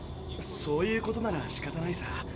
そういうことならしかたないさ。